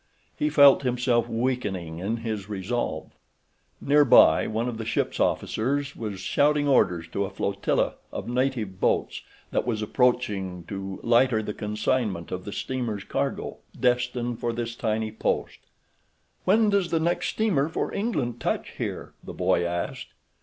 He felt himself weakening in his resolve. Nearby one of the ship's officers was shouting orders to a flotilla of native boats that was approaching to lighter the consignment of the steamer's cargo destined for this tiny post. "When does the next steamer for England touch here?" the boy asked.